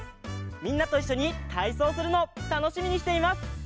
みんなといっしょにたいそうするのをたのしみにしています。